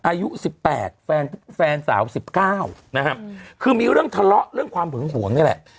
อายุสิบแปดแฟนสาวสิบเก้านะฮะคือมีเรื่องทะเลาะเรื่องความหึงหวงนี่แหละ